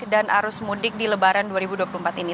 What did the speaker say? dan arus mudik di lebaran dua ribu dua puluh empat ini